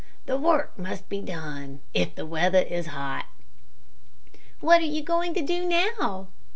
The work must be done, if the weather is hot." "What are you going to do now?"